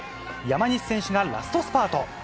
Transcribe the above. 山西選手がラストスパート。